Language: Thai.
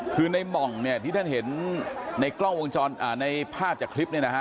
คือในหมองที่ท่านเห็นในภาพ่้นจะคลิปนี้นะฮะ